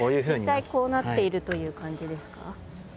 実際こうなっているという感じですか？